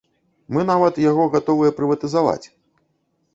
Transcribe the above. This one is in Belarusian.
Мы нават яго гатовыя прыватызаваць.